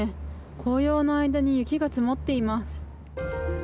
紅葉の間に雪が積もっています。